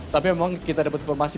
tapi memang kita dapat informasi